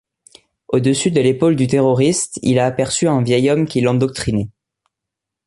Au-dessus de l’épaule du terroriste, il a aperçu un vieil homme qui l’endoctrinait.